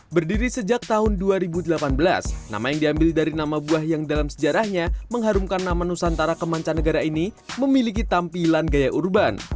berdiri sejak tahun dua ribu delapan belas nama yang diambil dari nama buah yang dalam sejarahnya mengharumkan nama nusantara kemanca negara ini memiliki tampilan gaya urban